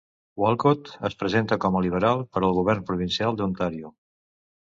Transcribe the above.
Walcott es presenta com a Liberal per al govern provincial d'Ontàrio.